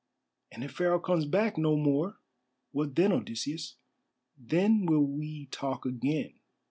"And if Pharaoh comes back no more, what then Odysseus?" "Then will we talk again.